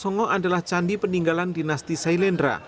songo adalah candi peninggalan dinasti sailendra